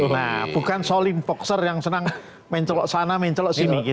nah bukan solling boxer yang senang mencolok sana mencolok sini